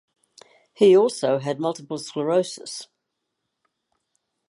He also had multiple sclerosis.